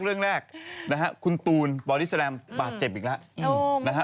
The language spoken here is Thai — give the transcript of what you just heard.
เรื่องแรกนะฮะคุณตูนบอดี้แลมบาดเจ็บอีกแล้วนะฮะ